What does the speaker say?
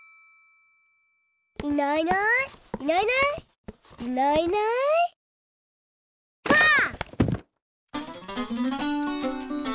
いないいないいないいないいないいないばあっ！